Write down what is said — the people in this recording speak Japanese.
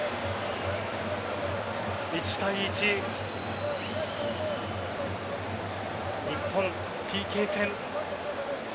１対１日本、ＰＫ戦。